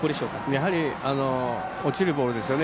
やはり落ちるボールですよね。